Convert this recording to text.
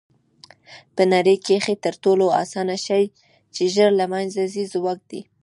په نړۍ کښي تر ټولو آسانه شى چي ژر له منځه ځي؛ واک دئ.